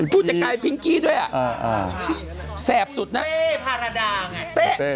พูดจะใกล้พิ้งกี้ด้วยอะแสบสุดนะต้นเต้พาราดาไง